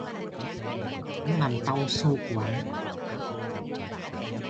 Hắn làm tau sô quá